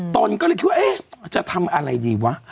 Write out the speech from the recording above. ตนก็เลยคิดว่าเอ๊ะจะทำอะไรดีวะ